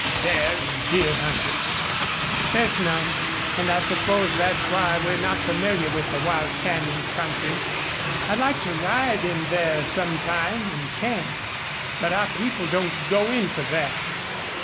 Bear an' deer hunters." "There's none. And I suppose that's why we're not familiar with the wild canyon country. I'd like to ride in there sometime and camp. But our people don't go in for that.